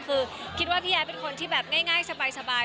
คือคิดว่าพี่ย้ายเป็นคนที่แบบง่ายสบาย